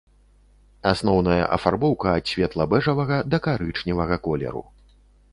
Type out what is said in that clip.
Асноўная афарбоўка ад светла-бэжавага да карычневага колеру.